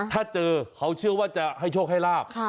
ถ้าเจอเขาเชื่อว่าจะให้โชคให้ลาบ